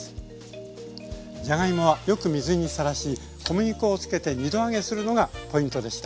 じゃがいもはよく水にさらし小麦粉をつけて２度揚げするのがポイントでした。